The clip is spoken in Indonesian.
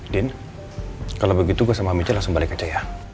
din kalo begitu gue sama miece langsung balik aja ya